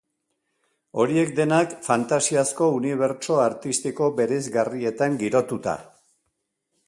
Horiek denak fantasiazko unibertso artistiko bereizgarrietan girotuta.